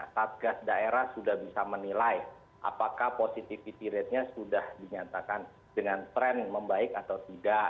satgas daerah sudah bisa menilai apakah positivity ratenya sudah dinyatakan dengan tren membaik atau tidak